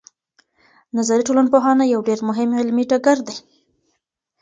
نظري ټولنپوهنه یو ډېر مهم علمي ډګر دی.